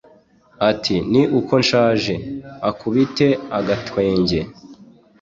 Ati “Ni uko nshaje [akubite agatwenge]